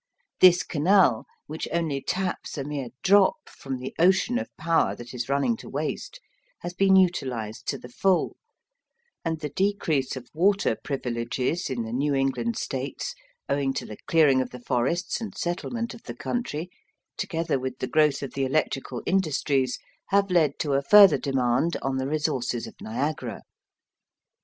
This canal, which only taps a mere drop from the ocean of power that is running to waste, has been utilised to the full; and the decrease of water privileges in the New England States, owing to the clearing of the forests and settlement of the country, together with the growth of the electrical industries, have led to a further demand on the resources of Niagara.